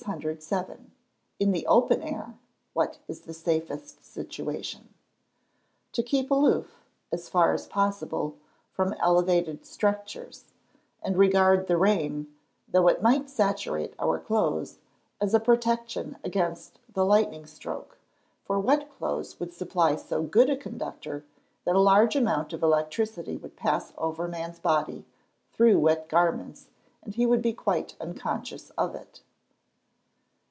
607. In the open air, what is the safest situation? To keep aloof, as far as possible, from elevated structures; and regard the rain, though it might saturate our clothes, as a protection against the lightning stroke, for wet clothes would supply so good a conductor, that a large amount of electricity would pass over man's body, through wet garments, and he would be quite unconscious of it.